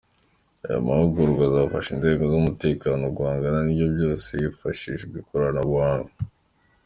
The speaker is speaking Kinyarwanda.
Aya mahugurwa azafasha inzego z’umutekano guhangana n’ibyo byose hifashishijwe ikoranabuhanga.